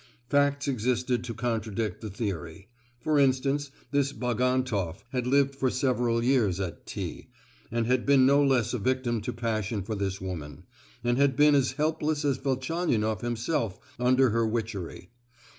Facts existed to contradict the theory. For instance, this Bagantoff had lived for several years at T——, and had been no less a victim to passion for this woman, and had been as helpless as Velchaninoff himself under her witchery.